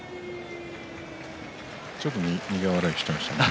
ちょっと苦笑いしていましたね。